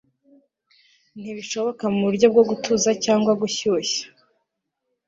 Ntibishoboka muburyo bwo gutuza cyangwa gushyushya